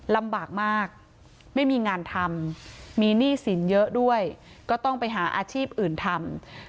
ลำบากมากไม่มีงานทำมีหนี้สินเยอะด้วยก็ต้องไปหาอาชีพอื่นทำ